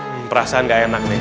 hmm perasaan gak enak nih